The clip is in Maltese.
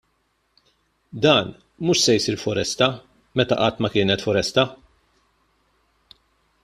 Dan mhux se jsir foresta meta qatt ma kien foresta!